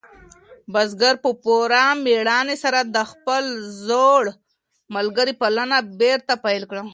بزګر په پوره مېړانې سره د خپل زوړ ملګري پالنه بېرته پیل کړه.